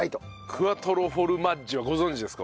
クアトロフォルマッジをご存じですか？